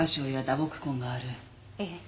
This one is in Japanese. ええ。